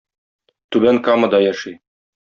Түбән Камада яши.